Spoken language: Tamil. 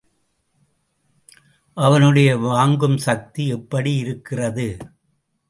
அவனுடைய வாங்கும் சக்தி எப்படி இருக்கிறது?